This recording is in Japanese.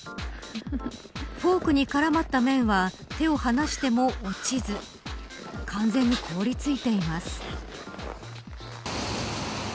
フォークに絡まった麺が手を離しても落ちず完全に凍りついています。